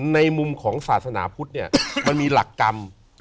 ในมุมของศาสนาพุทธเนี่ยมันมีหลักกรรม